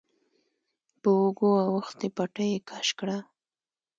په اوږو اوښتې پټۍ يې کش کړه.